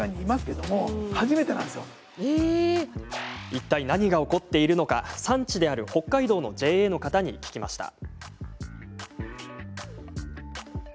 いったい何が起こっているのか産地である北海道のＪＡの方に聞きました。